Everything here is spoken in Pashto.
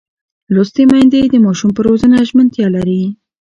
لوستې میندې د ماشوم پر روزنه ژمنتیا لري.